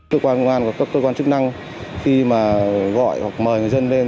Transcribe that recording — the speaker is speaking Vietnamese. cơ quan công an và các cơ quan chức năng khi mà gọi hoặc mời người dân lên